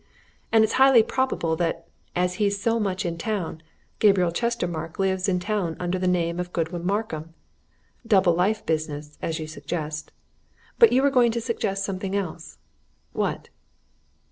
And it's highly probable that, as he's so much in town, Gabriel Chestermarke lives in town under the name of Godwin Markham double life business, as you suggest. But you were going to suggest something else. What?"